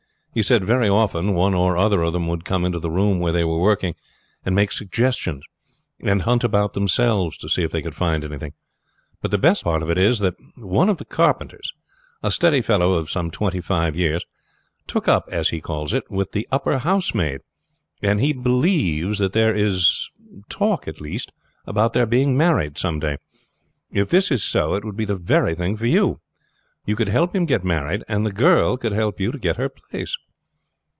He said very often one or other of them would come into the room where they were working and make suggestions, and hunt about themselves to see if they could find anything. But the best part of it is that one of the carpenters, a steady fellow of twenty five, took up, as he calls it, with the upper housemaid, and he believes there is a talk about their being married some day. If this is so it would be the very thing for you. You could help him to get married, and the girl could help you to get her place."